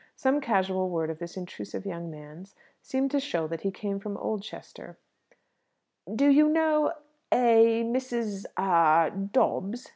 Some casual word of this intrusive young man's seemed to show that he came from Oldchester. "Do you know a Mrs. a Dobbs?"